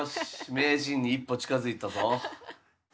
名人に一歩近づいたぞ。